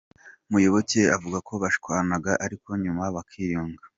Muyoboke avuga ko bashwanaga ariko nyuma bakiyunga.